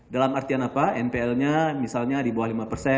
dalam artian apa npl nya misalnya di bawah lima persen